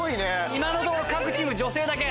今のところ各チーム女性だけ。